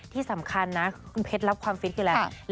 ที่สำคัญนะคุณเพชรรับความฟิตคือไง